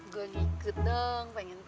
gua ngikut dong pengen tau